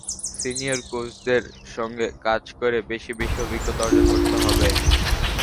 Senior কোচদের সঙ্গে কাজ করে বেশি বেশি অভিজ্ঞতা অর্জন করতে হবে।